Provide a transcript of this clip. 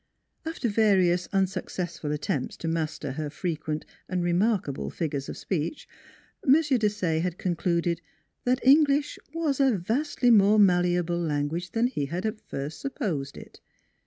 After various unsuccessful attempts to master her frequent and remarkable figures of speech M. Desaye had concluded that English was a vastly more malleable language than he had at first supposed it.